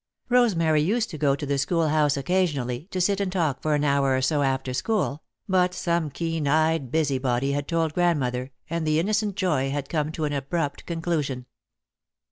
Rosemary used to go to the schoolhouse occasionally, to sit and talk for an hour or so after school, but some keen eyed busy body had told Grandmother and the innocent joy had come to an abrupt conclusion.